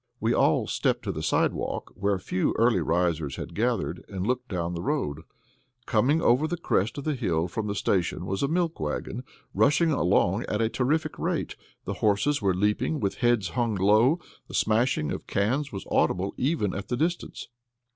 We all stepped to the sidewalk, where a few early risers had gathered, and looked down the road. Coming over the crest of the hill from the station was a milk wagon, rushing along at a terrific rate. The horses were leaping, with heads hung low. The smashing of cans was audible, even at the distance.